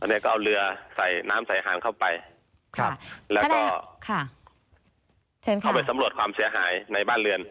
เนี่ยก็เอาเรือใส่น้ำใส่อาหารเข้าไปครับแล้วก็เข้าไปสำรวจความเสียหายในบ้านเรือน